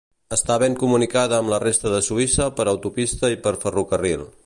Està ben comunicada amb la resta de Suïssa per autopista i per ferrocarril.